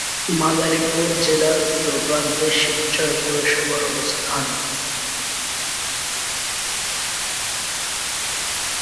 মাদারীপুর জেলার উত্তর প্রান্তে শিবচর পৌরসভার অবস্থান।